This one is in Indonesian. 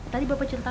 tadi bapak cerita